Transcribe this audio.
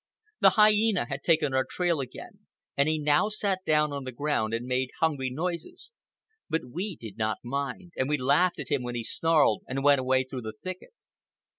The hyena had taken our trail again, and he now sat down on the ground and made hungry noises. But we did not mind, and we laughed at him when he snarled and went away through the thicket.